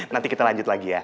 nanti kita lanjut lagi ya